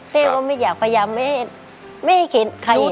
เฮ้ก็ไม่อยากพยายามไม่ให้ใครเห็น